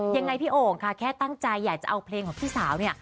ยังไงพี่โอ่งค่ะแค่ตั้งใจอยากจะเอาเพลงของพี่สาวเนี่ย